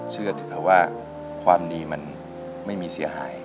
เชื่อเถอะว่าความดีมันไม่มีเสียหาย